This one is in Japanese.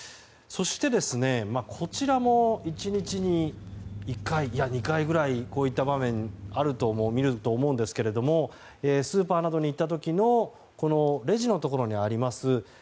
そして、こちらも１日に１回や２回くらいこういった場面があると思いますがスーパーなどに行った時のレジのところにあります